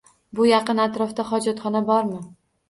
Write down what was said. Bu yaqin atrofda hojatxona bormi?